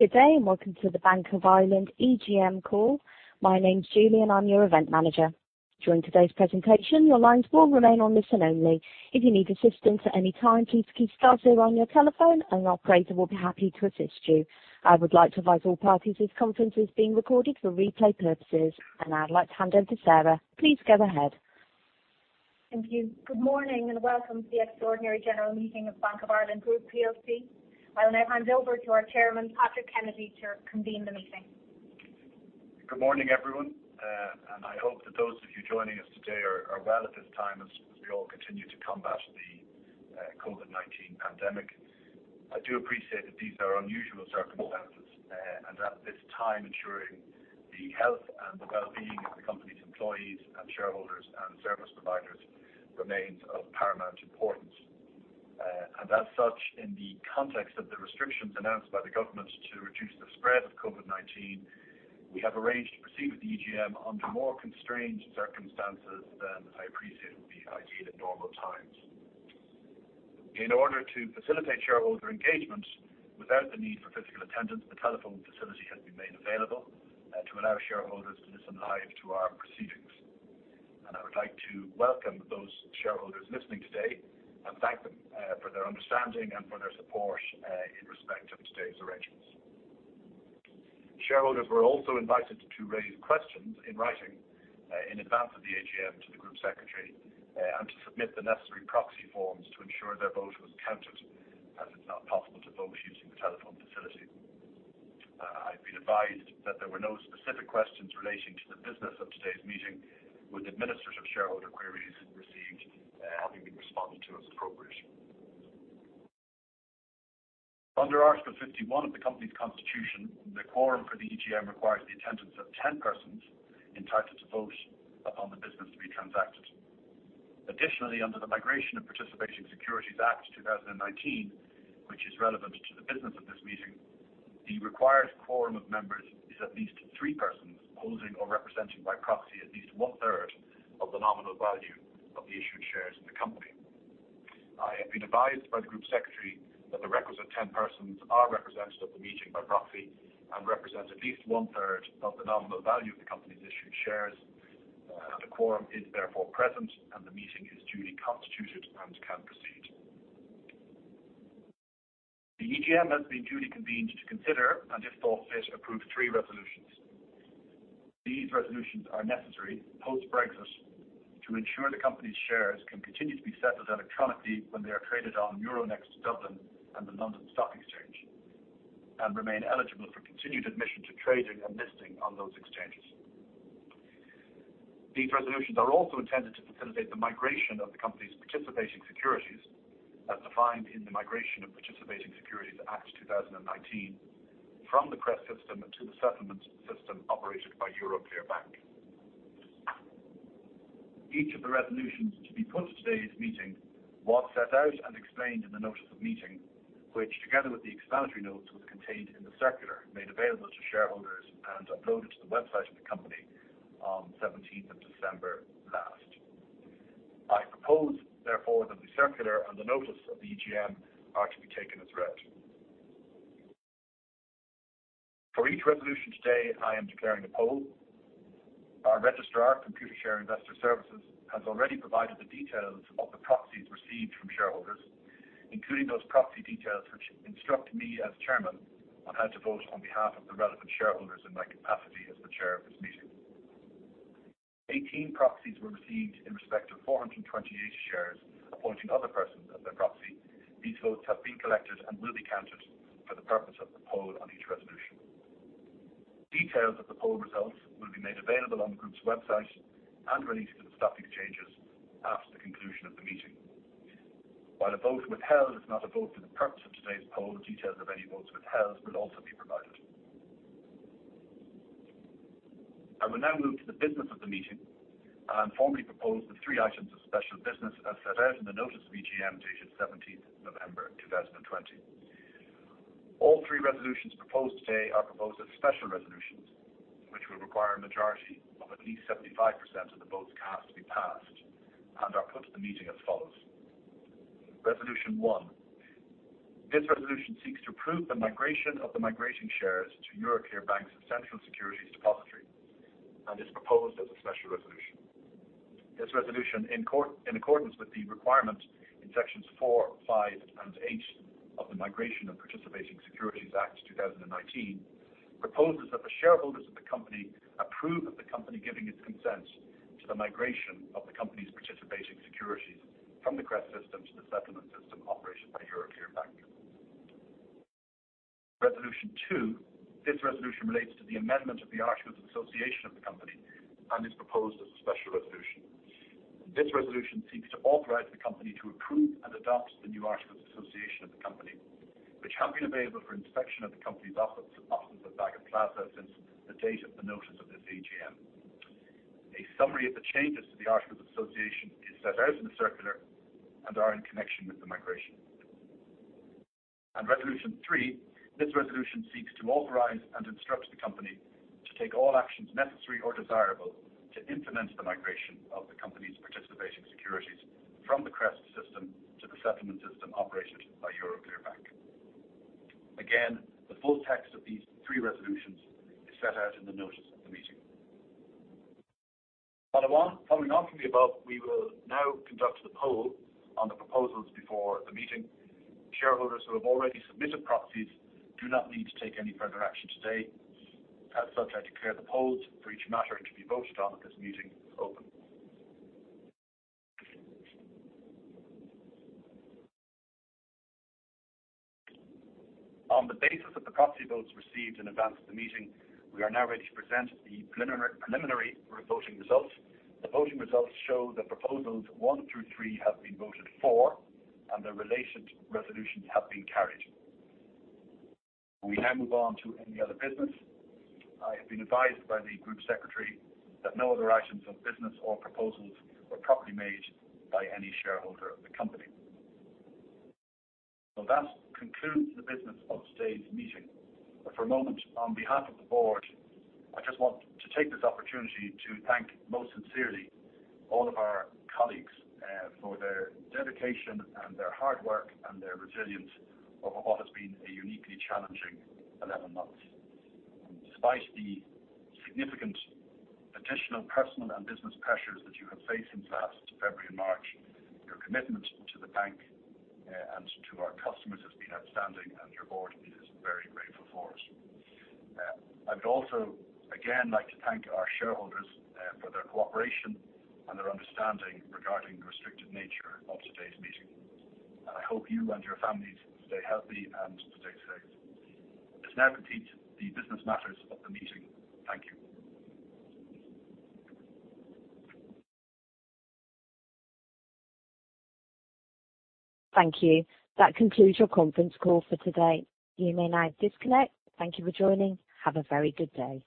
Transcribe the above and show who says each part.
Speaker 1: Good day, and welcome to the Bank of Ireland EGM call. My name's Julie, and I'm your event manager. During today's presentation, your lines will remain on listen only. If you need assistance at any time, please key star zero on your telephone and an operator will be happy to assist you. I would like to advise all parties this conference is being recorded for replay purposes. I'd like to hand over to Sarah. Please go ahead.
Speaker 2: Thank you. Good morning and welcome to the Extraordinary General Meeting of Bank of Ireland Group PLC. I will now hand over to our Chairman, Patrick Kennedy, to convene the meeting.
Speaker 3: Good morning, everyone. I hope that those of you joining us today are well at this time as we all continue to combat the COVID-19 pandemic. I do appreciate that these are unusual circumstances. At this time, ensuring the health and the well-being of the company's employees and shareholders and service providers remains of paramount importance. As such, in the context of the restrictions announced by the government to reduce the spread of COVID-19, we have arranged to proceed with the EGM under more constrained circumstances than I appreciate would be ideal at normal times. In order to facilitate shareholder engagement without the need for physical attendance, a telephone facility has been made available to allow shareholders to listen live to our proceedings. I would like to welcome those shareholders listening today and thank them for their understanding and for their support in respect of today's arrangements. Shareholders were also invited to raise questions in writing in advance of the EGM to the Group Secretary and to submit the necessary proxy forms to ensure their vote was counted as it's not possible to vote using the telephone facility. I've been advised that there were no specific questions relating to the business of today's meeting, with administers of shareholder queries received having been responded to as appropriate. Under Article 51 of the company's constitution, the quorum for the EGM requires the attendance of 10 persons entitled to vote upon the business to be transacted. Additionally, under the Migration of Participating Securities Act 2019, which is relevant to the business of this meeting, the required quorum of members is at least three persons holding or representing by proxy at least 1/3 of the nominal value of the issued shares in the company. I have been advised by the Group Secretary that the requisite 10 persons are represented at the meeting by proxy and represent at least 1/3 of the nominal value of the company's issued shares. The quorum is therefore present and the meeting is duly constituted and can proceed. The EGM has been duly convened to consider and, if thought fit, approve three resolutions. These resolutions are necessary post-Brexit to ensure the company's shares can continue to be settled electronically when they are traded on Euronext Dublin and the London Stock Exchange and remain eligible for continued admission to trading and listing on those exchanges. These resolutions are also intended to facilitate the migration of the company's participating securities as defined in the Migration of Participating Securities Act 2019 from the CREST system to the settlement system operated by Euroclear Bank. Each of the resolutions to be put to today's meeting was set out and explained in the notice of meeting, which together with the explanatory notes, was contained in the circular made available to shareholders and uploaded to the website of the company on 17th of December last. I propose, therefore, that the circular and the notice of the EGM are to be taken as read. For each resolution today, I am declaring a poll. Our registrar, Computershare Investor Services, has already provided the details of the proxies received from shareholders, including those proxy details which instruct me as chairman on how to vote on behalf of the relevant shareholders in my capacity as the chair of this meeting. 18 proxies were received in respect of 428 shares appointing other persons as their proxy. These votes have been collected and will be counted for the purpose of the poll on each resolution. Details of the poll results will be made available on the group's website and released to the stock exchanges after the conclusion of the meeting. While a vote withheld is not a vote for the purpose of today's poll, details of any votes withheld will also be provided. I will now move to the business of the meeting and formally propose the three items of special business as set out in the notice of EGM dated 17th November 2020. All three resolutions proposed today are proposed as special resolutions, which will require a majority of at least 75% of the votes cast to be passed and are put to the meeting as follows. Resolution one, this resolution seeks to approve the migration of the migration shares to Euroclear Bank's Central Securities Depository and is proposed as a special resolution. This resolution, in accordance with the requirement in sections four, five, and eight of the Migration of Participating Securities Act 2019, proposes that the shareholders of the company approve of the company giving its consent to the migration of the company's participation securities from the CREST system to the settlement system operated by Euroclear Bank. Resolution two, this resolution relates to the amendment of the articles of association of the company and is proposed as a special resolution. This resolution seeks to authorize the company to approve and adopt the new articles of association of the company, which have been available for inspection at the company's office at Baggot Plaza since the date of the notice of this EGM. A summary of the changes to the articles of association is set out in the circular and are in connection with the migration. Resolution three, this resolution seeks to authorize and instruct the company to take all actions necessary or desirable to implement the migration of the company's participation securities from the CREST, the settlement system operated by Euroclear Bank. Again, the full text of these three resolutions is set out in the notice of the meeting. Following on from the above, we will now conduct the poll on the proposals before the meeting. Shareholders who have already submitted proxies do not need to take any further action today. As such, I declare the polls for each matter to be voted on at this meeting open. On the basis of the proxy votes received in advance of the meeting, we are now ready to present the preliminary voting results. The voting results show that proposals one through three have been voted for and their related resolutions have been carried. We now move on to any other business. I have been advised by the group secretary that no other items of business or proposals were properly made by any shareholder of the company. That concludes the business of today's meeting. For a moment, on behalf of the board, I just want to take this opportunity to thank most sincerely all of our colleagues for their dedication and their hard work and their resilience over what has been a uniquely challenging 11 months. Despite the significant additional personal and business pressures that you have faced since last February and March, your commitment to the bank and to our customers has been outstanding, and your board is very grateful for it. I would also, again, like to thank our shareholders for their cooperation and their understanding regarding the restricted nature of today's meeting. I hope you and your families stay healthy and stay safe. This now completes the business matters of the meeting. Thank you.
Speaker 1: Thank you. That concludes your conference call for today. You may now disconnect. Thank you for joining. Have a very good day.